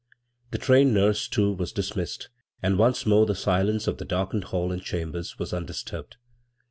The trained nurse, too, was dis missed, and once more the silence of the darkened hall and chambers was undisturbed.